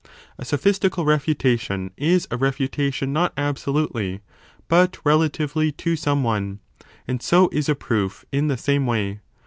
A sophistical refutation is a refutation not absolutely but relatively to some one : and so is a proof, in the same way.